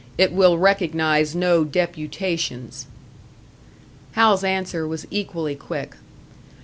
It will recognise no deputations." Hal's answer was equally quick.